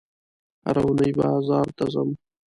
هره اونۍ بازار ته ځم